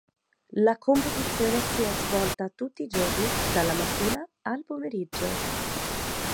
La competizione si è svolta tutti i giorni dalla mattina al pomeriggio.